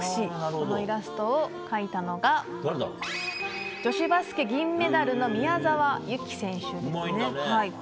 このイラストを描いたのが女子バスケ銀メダルの宮澤夕貴選手です。